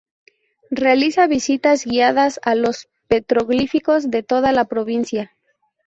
Realiza visitas guiadas a los petroglifos de toda la provincia.